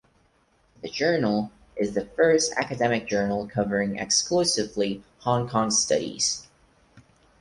The journal is the first academic journal covering exclusively Hong Kong studies.